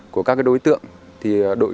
của các đối tượng thì đội